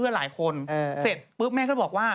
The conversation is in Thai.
หลายคนเสร็จปุ๊บแม่ก็บอกว่า